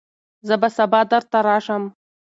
زه به سبا درته راشم.